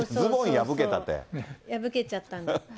破けちゃったんです。